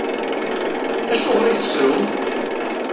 Acuɣeṛ i tettrum?